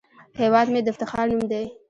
هیواد مې د افتخار نوم دی